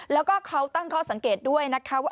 แล้วก็เขาตั้งข้อสังเกตด้วยนะคะว่า